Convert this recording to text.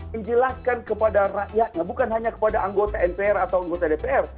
menjelaskan kepada rakyatnya bukan hanya kepada anggota mpr atau anggota dpr